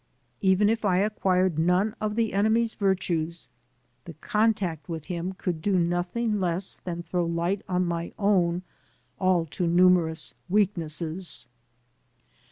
Even if I acquired none of the enemy's virtues, the contact with him could do nothing less than throw light on my own all too numerous weaknesses.